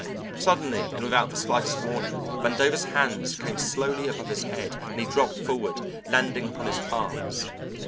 Suddenly and without the slightest warning Vandover's hands came slowly above his head and he dropped forward, landing upon his palms.